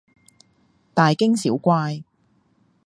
大驚小怪